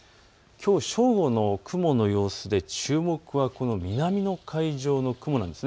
きょう正午の雲の様子で注目は南の海上の雲なんです。